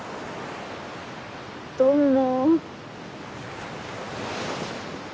どうも。